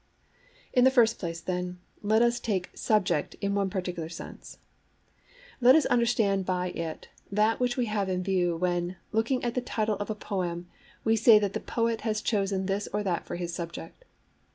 In the first place, then, let us take 'subject' in one particular sense; let us understand by it that which we have in view when, looking at the title of a poem, we say that the poet has chosen this or that for his subject.